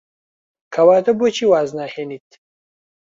کەواتە بۆچی واز ناهێنیت؟